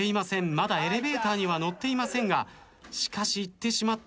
まだエレベーターには乗っていませんがしかし行ってしまったのか！？